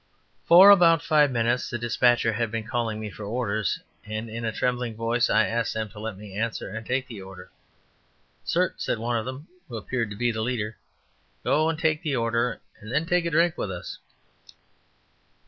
For about five minutes the despatcher had been calling me for orders, and in a trembling voice I asked them to let me answer and take the order. "Cert," said one of them, who appeared to be the leader, "go on and take the order, and then take a drink with us."